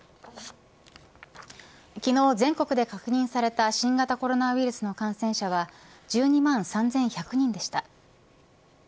昨日、全国で確認された新型コロナウイルスの感染者は１２万３１００人でした。